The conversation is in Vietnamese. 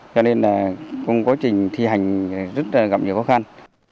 cho nên là trong quá trình thi hành rất gặp nhiều khó khăn